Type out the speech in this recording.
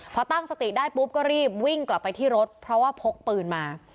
พอตั้งสติได้ปุ๊บก็รีบวิ่งกลับไปที่รถเพราะว่าพกปืนมา